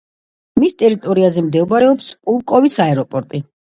მის ტერიტორიაზე მდებარეობს პულკოვოს აეროპორტი.